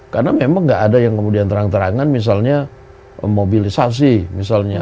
karena memang gak ada yang kemudian terang terangan misalnya mobilisasi misalnya